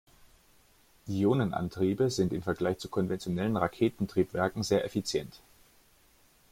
Ionenantriebe sind im Vergleich zu konventionellen Raketentriebwerken sehr effizient.